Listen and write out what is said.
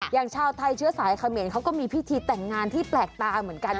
อย่างชาวไทยเชื้อสายเขมรเขาก็มีพิธีแต่งงานที่แปลกตาเหมือนกัน